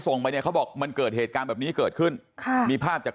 ส่งไปเนี่ยเขาบอกมันเกิดเหตุการณ์แบบนี้เกิดขึ้นค่ะมีภาพจาก